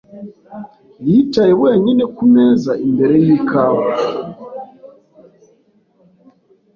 Yicaye wenyine ku meza imbere y'ikawa.